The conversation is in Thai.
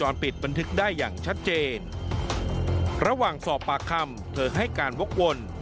ระหว่างสอบปากคำเธอให้การวกวน